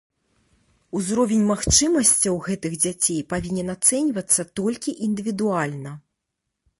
Узровень магчымасцяў гэтых дзяцей павінен ацэньвацца толькі індывідуальна.